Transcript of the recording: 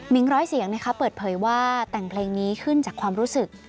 ร้อยเสียงเปิดเผยว่าแต่งเพลงนี้ขึ้นจากความรู้สึก